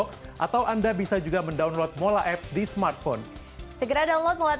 sampai jumpa di mola update berikutnya